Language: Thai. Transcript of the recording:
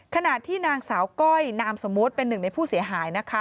ขณะที่นางสาวก้อยนามสมมุติเป็นหนึ่งในผู้เสียหายนะคะ